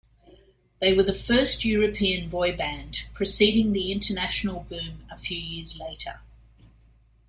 They were the first European boyband preceding the international boom a few years later.